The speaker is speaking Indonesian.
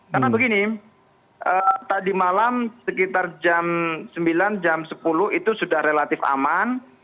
karena begini tadi malam sekitar jam sembilan jam sepuluh itu sudah relatif aman